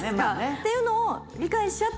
っていうのを。